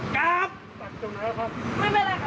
จะทำเองมาเลย